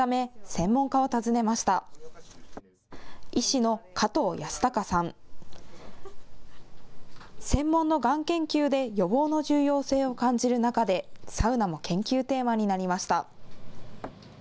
専門のがん研究で予防の重要性を感じる中でサウナも研究テーマになりました。